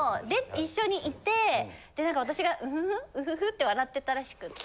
一緒にいてで私がうふふうふふって笑ってたらしくて。